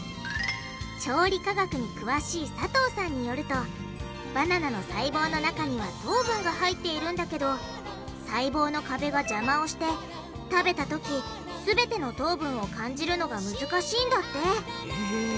調理科学に詳しい佐藤さんによるとバナナの細胞の中には糖分が入っているんだけど細胞の壁が邪魔をして食べたとき全ての糖分を感じるのが難しいんだってへぇ。